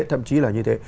thậm chí là như thế